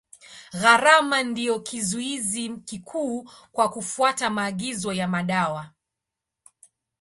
Gharama ndio kizuizi kikuu kwa kufuata maagizo ya madawa.